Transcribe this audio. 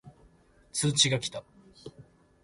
通知が来た